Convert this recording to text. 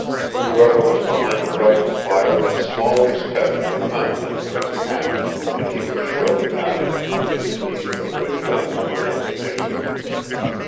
Whoever was behind the rifle fire had small respect for the contents of his pack, and he was surely not in grievous need of a good gun or ammunition.